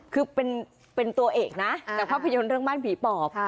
คือเป็นตัวเอกนะจากภาพยนตร์เรื่องบ้านผีปอบ